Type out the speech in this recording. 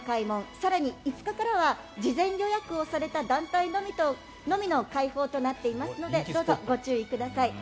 更に５日からは事前予約をされた団体のみの開放となっていますのでどうぞご注意ください。